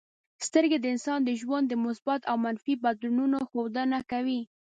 سترګې د انسان د ژوند د مثبتو او منفي بدلونونو ښودنه کوي.